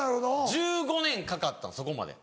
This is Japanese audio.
１５年かかったそこまで。